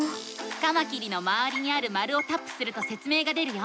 カマキリのまわりにある丸をタップするとせつ明が出るよ。